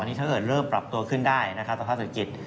นี่ถ้าเกิดเริ่มปรับตัวขึ้นได้นะครับสภาพเศรษฐกิจ